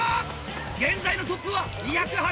現在のトップは２０８個！